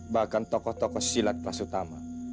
bahkan tokoh tokoh silat kelas utama